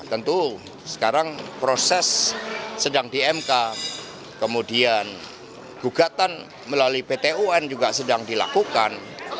tentu sekarang proses sedang di mk kemudian gugatan melalui pt un juga sedang dilakukan